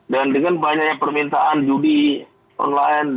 dan dengan banyaknya permintaan judi online